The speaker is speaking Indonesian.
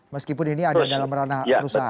meskipun ini ada dalam ranah perusahaan